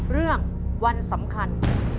เรื่องวันสำคัญ